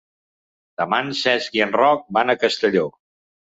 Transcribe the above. Demà en Cesc i en Roc van a Castelló.